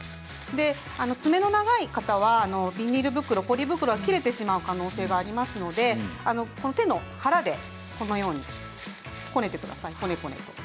爪が長い方はビニール袋ポリ袋が切れてしまう可能性がありますので手の腹でこねてください。